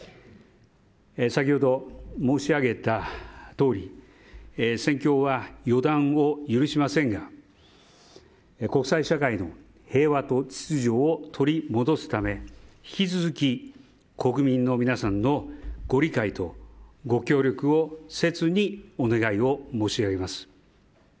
先ほど、申し上げたとおり戦況は予断を許しませんが国際社会の平和と秩序を取り戻すため引き続き、国民の皆さんのご理解とご協力を切にお願いを申し上げます。